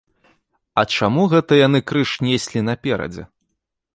А чаму гэта яны крыж неслі наперадзе?